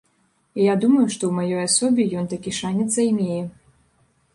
І я думаю, што ў маёй асобе ён такі шанец займее.